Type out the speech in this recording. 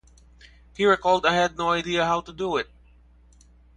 He recalled I had no idea how to do it.